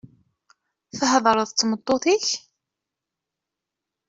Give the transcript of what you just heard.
Theḍṛeḍ d tmeṭṭut-ik?